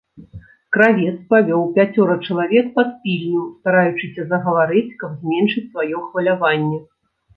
Кравец павёў пяцёра чалавек пад пільню, стараючыся загаварыць, каб зменшыць сваё хваляванне.